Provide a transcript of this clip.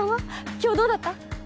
今日どうだった？